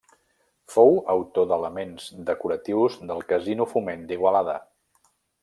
Fou autor d'elements decoratius del Casino Foment d'Igualada.